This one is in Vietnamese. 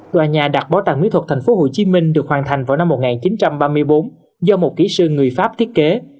đoàn nhà đặt bộ tàng mỹ thuật tp hcm được hoàn thành vào năm một nghìn chín trăm ba mươi bốn do một ký sư người pháp thiết kế